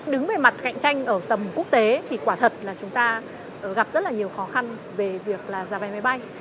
đứng về mặt cạnh tranh ở tầm quốc tế thì quả thật là chúng ta gặp rất là nhiều khó khăn về việc là giá vé máy bay